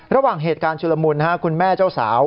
ระหว่างเหตุการณ์ชุลมุนคุณแม่เจ้าสาว